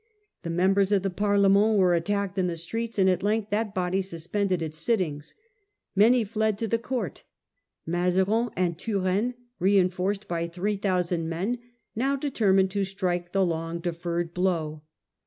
The mem bers of the Parlement were attacked in the streets, and at length that body suspended its sittings. Many fled to the court. Mazarin and Turenne, reinforced by 3,000 men, now determined to strike the long deferred blow.